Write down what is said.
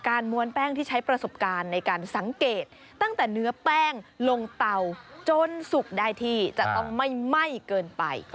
ม้วนแป้งที่ใช้ประสบการณ์ในการสังเกตตั้งแต่เนื้อแป้งลงเตาจนสุกได้ที่จะต้องไม่ไหม้เกินไป